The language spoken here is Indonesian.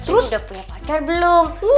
sri sudah punya pacar atau tidak